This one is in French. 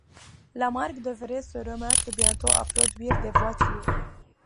La marque devrait se remettre bientôt à produire des voitures.